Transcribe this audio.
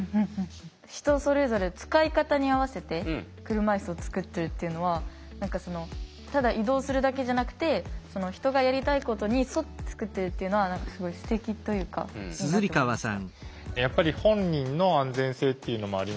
人それぞれ使い方に合わせて車いすを作ってるっていうのはただ移動するだけじゃなくて人がやりたいことに沿って作ってるっていうのはすごいすてきというかいいなって思いました。